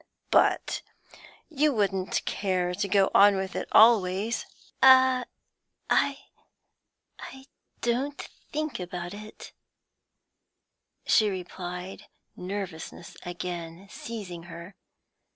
'But you wouldn't care to go on with it always?' 'I I don't think about it,' she replied, nervousness again seizing her.